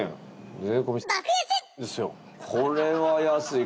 これは安い。